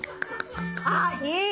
あっいい！